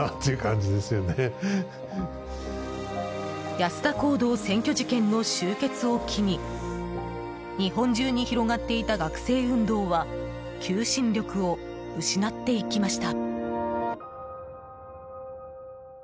安田講堂占拠事件の終結を機に日本中に広がっていた学生運動は求心力を失っていきました。